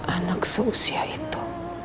anak seusia itu